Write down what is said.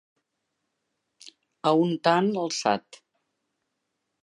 A un tant alçat.